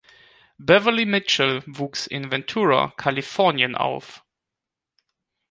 Beverley Mitchell wuchs in Ventura, Kalifornien, auf.